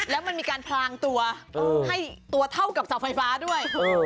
แล้วมันมีการพลางตัวให้ตัวเท่ากับเสาไฟฟ้าด้วย